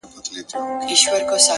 o خو كله . كله مي بيا.